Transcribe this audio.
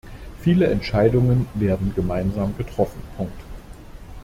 Viele Entscheidungen werden gemeinsam getroffen.